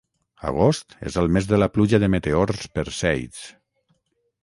Agost és el mes de la pluja de meteors Perseids